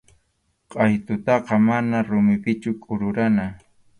Qʼaytutaqa mana rumipichu kururana.